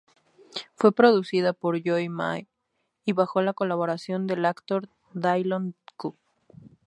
Fue producida por Joe Ma y bajo la colaboración del actor Dylan Kuo.